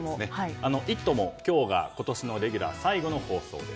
「イット！」も今日が今年のレギュラー最後の放送です。